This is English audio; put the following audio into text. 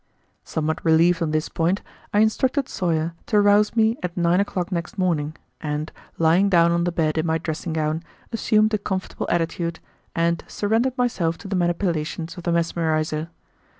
Somewhat relieved on this point, I instructed Sawyer to rouse me at nine o'clock next morning, and, lying down on the bed in my dressing gown, assumed a comfortable attitude, and surrendered myself to the manipulations of the mesmerizer.